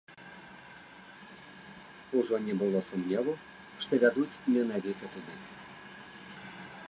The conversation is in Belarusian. Ужо не было сумневу, што вядуць менавіта туды.